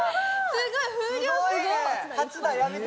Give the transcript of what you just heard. すごい風量すごい！